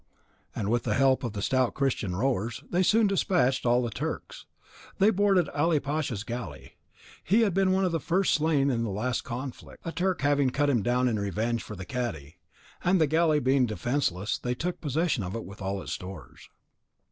and with the help of the stout Christian rowers, they soon despatched all the Turks. Then they boarded Ali Pasha's galley. He had been one of the first slain in the last conflict, a Turk having cut him down in revenge for the cadi, and the galley being defenceless, they took possession of it with all its stores.